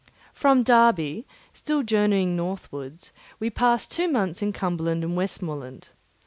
From Derby, still journeying northwards, we passed two months in Cumberland and Westmorland.